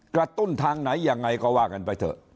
ตุ้นทางไหนยังไงก็ว่ากันไปเถอะ